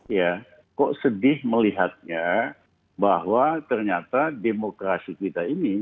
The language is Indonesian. ya kok sedih melihatnya bahwa ternyata demokrasi kita ini